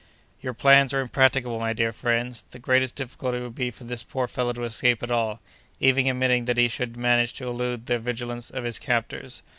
"Your plans are impracticable, my dear friends. The greatest difficulty would be for this poor fellow to escape at all—even admitting that he should manage to elude the vigilance of his captors.